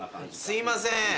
すいません。